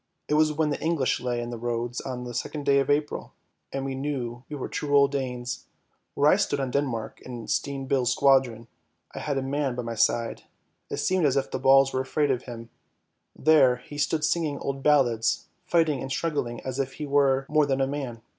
It was when the English lay in the roads on the 2nd day of April, and we knew we were true old Danes. Where I stood on the Denmark in Steen Bille's squadron I had a man by my side, it seemed as if the balls were afraid of him; there he stood singing old ballads, fighting and struggling as if he 228 ANDERSEN'S FAIRY TALES were more than a man.